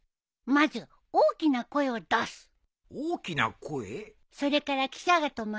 まずは大きな声を出して。